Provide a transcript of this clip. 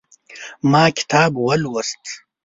ما کتاب ولوست